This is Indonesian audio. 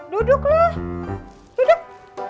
duduk lu duduk